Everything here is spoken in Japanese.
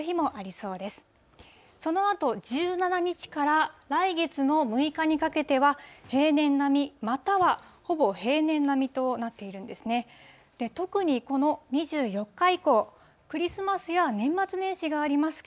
そのあと、１７日から来月の６日にかけては、平年並み、またはほぼ平年並みとなっているんですね。